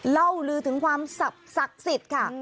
เล่าลือถึงความสับศักดิ์สิทธิ์ค่ะ